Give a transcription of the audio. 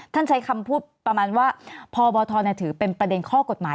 ใช้คำพูดประมาณว่าพบทถือเป็นประเด็นข้อกฎหมาย